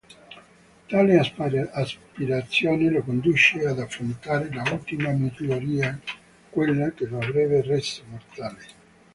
Tale aspirazione lo conduce ad affrontare l'ultima "miglioria": quella che lo avrebbe reso mortale.